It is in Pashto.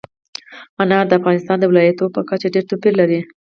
انار د افغانستان د ولایاتو په کچه ډېر توپیر لري.